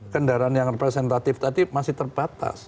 kendaraan yang representatif tadi masih terbatas